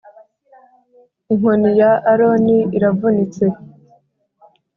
inkoni ya aroni iravunitse